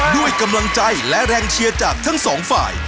ด้วยกำลังใจและแรงเชียร์จากทั้งสองฝ่าย